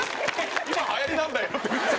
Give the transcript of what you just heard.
「今はやりなんだよ」って。